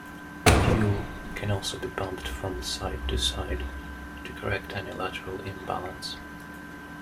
Fuel can also be pumped from side to side to correct any lateral imbalance.